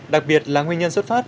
đặc biệt là nguyên nhân xuất phát